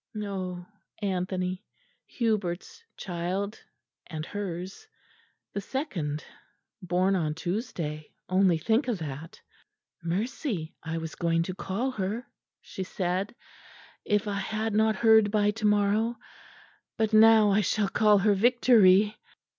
Oh Anthony; Hubert's child and hers, the second, born on Tuesday only think of that. 'Mercy, I was going to call her,' she said, 'if I had not heard by to morrow, but now I shall call her Victory.'"